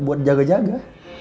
ya buat jaga jaga